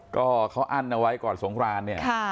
ก็เขาอั้นเอาไว้ก่อนสงครานเนี่ย